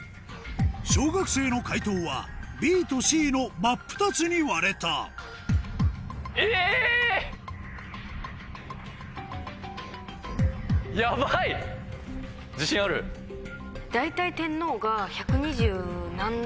小学生の解答はＢとＣの真っ二つに割れた天皇が。